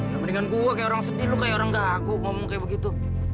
ya mendingan gua kayak orang sedih lu kayak orang gak aku ngomong kayak begitu